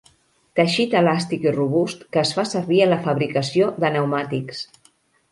Teixit elàstic i robust que es fa servir en la fabricació de pneumàtics.